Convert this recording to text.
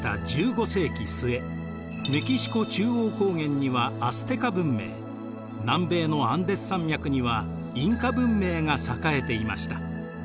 メキシコ中央高原にはアステカ文明南米のアンデス山脈にはインカ文明が栄えていました。